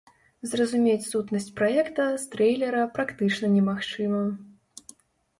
Зразумець сутнасць праекта з трэйлера практычна немагчыма.